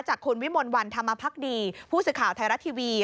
จากคุณวิมนต์วันธรรมภักดีผู้ศึกข่าวไทยรัตน์ทีวี